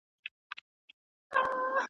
په دې وطن کي دا څه قیامت دی .